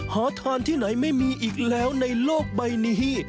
หอทอนที่ไหนไม่มีอีกแล้วในโลกใบนี้